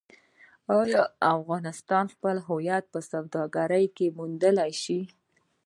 آیا افغانستان خپل هویت په سوداګرۍ کې موندلی؟